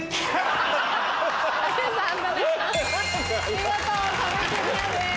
見事壁クリアです。